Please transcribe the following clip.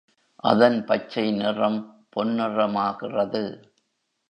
அதன் பச்சை நிறம் பொன்னிறமாகிறது.